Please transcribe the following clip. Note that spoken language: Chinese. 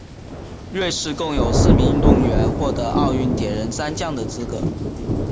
瑞士共有四名运动员获得奥运铁人三项的资格。